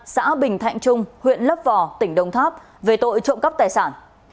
xã bình thạnh trung huyện lấp vò tỉnh đồng tháp về tội trộm cắp tài sản